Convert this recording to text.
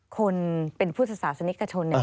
คนเป็นผู้ศาสนิกกระชน